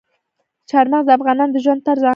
چار مغز د افغانانو د ژوند طرز اغېزمنوي.